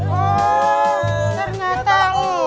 oh ternyata lu